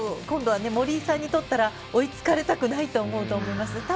今度は森井さんにとったら追いつかれたくないと思います。